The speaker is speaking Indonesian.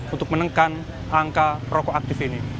untuk menengkan angka prokoaktif ini